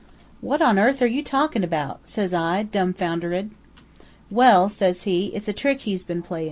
"'What on earth are you talkin' about?' says I, dumbfoundered. "'Well,' says he, 'it's a trick he's been playin'.